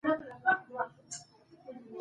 شریف په ډېرې خوارۍ سره د کور لپاره نفقه برابروله.